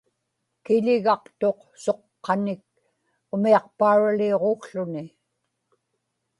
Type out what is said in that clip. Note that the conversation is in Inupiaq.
kiḷigaqtuq suqqanik umiaqpauraliuġukłuni